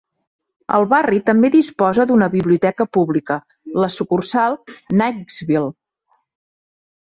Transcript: El barri també disposa d'una biblioteca pública, la sucursal Knightsville.